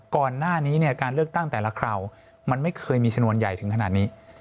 ก่อนหน้านี้เนี่ยการเลือกตั้งแต่ละคราวมันไม่เคยมีชนวนใหญ่ถึงขนาดนี้